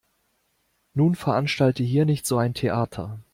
Nun veranstalte hier nicht so ein Theater.